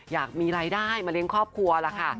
อยากมีรายได้มาเลี้ยงครอบครัวล่ะค่ะ